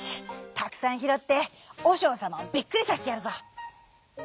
たくさんひろっておしょうさまをびっくりさせてやるぞ！」。